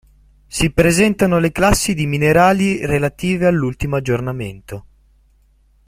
Si presentano le classi di minerali relative all'ultimo aggiornamento.